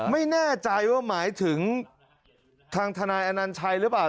ไม่แน่ใจว่าหมายถึงทางทนายอนัญชัยหรือเปล่า